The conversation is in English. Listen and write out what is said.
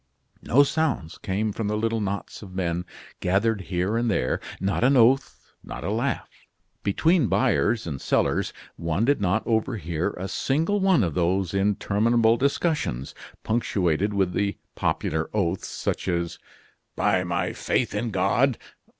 No sounds came from the little knots of men gathered here and there, not an oath, not a laugh. Between buyers and sellers, one did not overhear a single one of those interminable discussions, punctuated with the popular oaths, such as: "By my faith in God!"